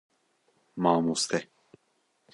Mamoste